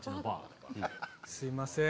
すいません